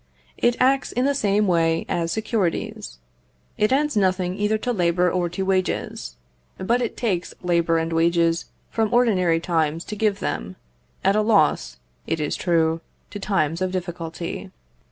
It acts in the same way as securities. It adds nothing either to labour or to wages, but it takes labour and wages from ordinary times to give them, at a loss it is true, to times of difficulty.